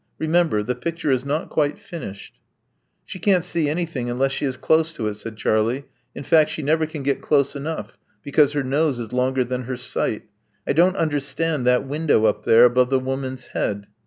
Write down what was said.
Remember: the picture is not quite finished." She can't seean3rthing unless she is close to it," said Charlie. In fact, she never can get close enough, because her nose is longer than her sight. I don't understand that window up there above the woman's head.